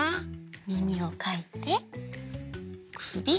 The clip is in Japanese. みみをかいてくび。